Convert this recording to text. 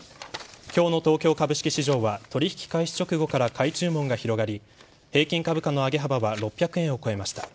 今日の東京株式市場は取引開始直後から買い注文が広がり平均株価の上げ幅は６００円を超えました。